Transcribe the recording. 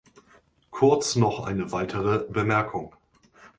Kurz noch eine weitere Bemerkung.